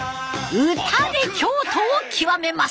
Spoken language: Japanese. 歌で京都を極めます。